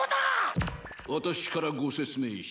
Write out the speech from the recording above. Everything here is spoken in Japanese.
私からご説明します。